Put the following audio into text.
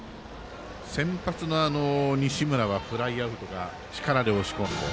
先発の西村はフライアウトが力で押し込んで。